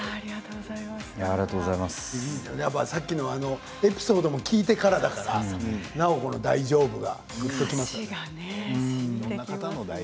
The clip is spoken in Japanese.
さっきのエピソードも聞いてからだったからなお「大丈夫」がぐっときましたね。